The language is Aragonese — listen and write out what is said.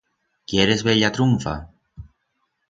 Quieres bella trunfa?